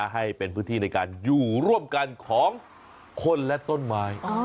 ให้เป็นพื้นที่ในการอยู่ร่วมกันของคนและต้นไม้